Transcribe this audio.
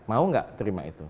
mau gak terima itu